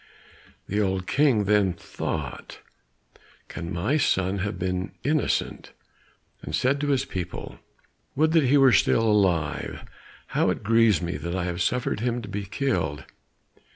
The old King then thought, "Can my son have been innocent?" and said to his people, "Would that he were still alive, how it grieves me that I have suffered him to be killed!"